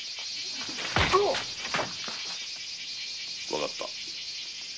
わかった。